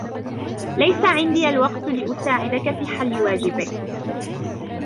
ليس عندي الوقت لأساعدك في حل واجبك